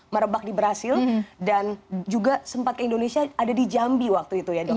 dua ribu lima belas merebak di brazil dan juga sempat ke indonesia ada di jambi waktu itu ya dokter ya